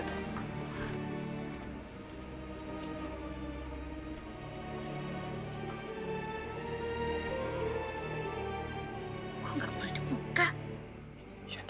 kok gak boleh dibuka